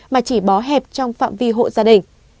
mà chỉ bó hẹp trong phạm vi hộ gia đình